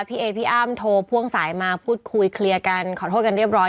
พี่เอพี่อ้ำโทรพ่วงสายมาพูดคุยเคลียร์กันขอโทษกันเรียบร้อย